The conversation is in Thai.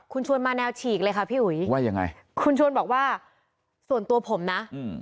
คุณชวนมาแนวฉีกเลยค่ะพี่หุยคุณชวนบอกว่าส่วนตัวผมนะ